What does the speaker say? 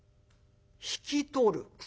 「引き取る？